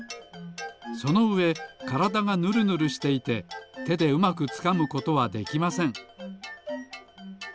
そのうえからだがぬるぬるしていててでうまくつかむことはできません。